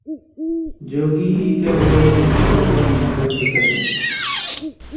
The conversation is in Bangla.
যোগীই কেবল অতিচেতন মনের অধিকারী।